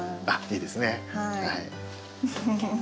いいですね。